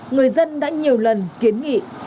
người dân đã nhiều lần kiến nghị